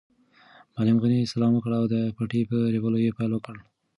معلم غني سلام وکړ او د پټي په رېبلو یې پیل وکړ.